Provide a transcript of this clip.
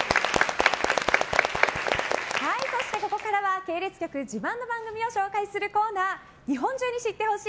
そして、ここからは系列局自慢の番組を紹介するコーナー日本中に知ってほしい！